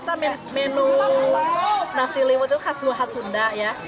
rasa menu nasi liwet itu khas khas sunda ya